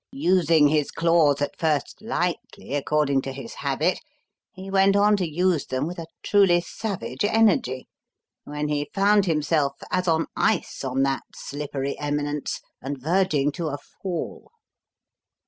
Using his claws at first lightly, according to his habit, he went on to use them with a truly savage energy when he found himself as on ice on that slippery eminence and verging to a fall."